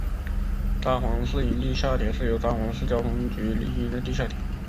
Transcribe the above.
札幌市营地下铁是由札幌市交通局经营的地下铁。